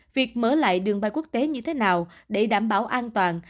việc mở lại đường bay quốc tế như thế nào để đảm bảo an toàn